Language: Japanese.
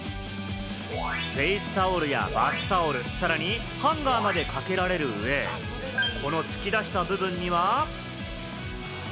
フェイスタオルやバスタオル、さらにハンガーまでかけられる上、この突き出した部分には。